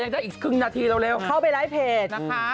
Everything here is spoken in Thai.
ได้อีกครึ่งนาทีเร็วเข้าไปไลฟ์เพจนะคะ